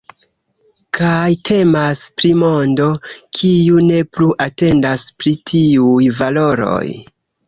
Kaj temas pri mondo, kiu ne plu atentas pri tiuj valoroj.